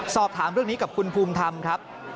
สอบถามเรื่องนี้กับคุณภูมิธรรมครับ